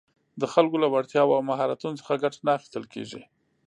د خلکو له وړتیاوو او مهارتونو څخه ګټه نه اخیستل کېږي